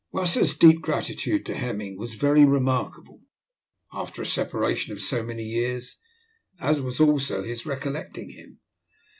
Wasser's deep gratitude to Hemming was very remarkable, after a separation of so many years, as was also his recollecting him.